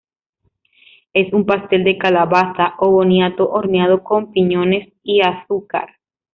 Es un pastel de calabaza o boniato horneado con piñones y azúcar.